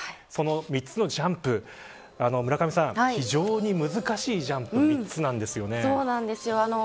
その３つのジャンプ村上さん、非常に難しいジャンプそうなんですよ。